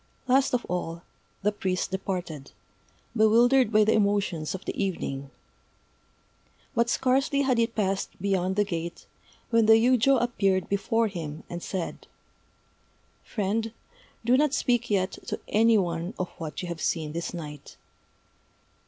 Last of all, the priest departed, bewildered by the emotions of the evening. But scarcely had he passed beyond the gate, when the yujô appeared before him, and said: "Friend, do not speak yet to any one of what you have seen this night."